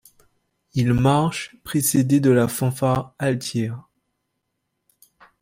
Il marche précédé de la fanfare altière ;